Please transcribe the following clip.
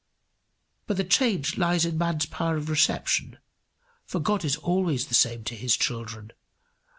But the change lies in man's power of reception, for God is always the same to his children.